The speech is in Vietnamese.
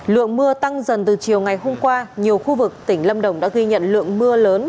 lượng mưa tăng dần từ chiều ngày hôm qua nhiều khu vực tỉnh lâm đồng đã ghi nhận lượng mưa lớn